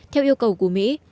theo yêu cầu của mỹ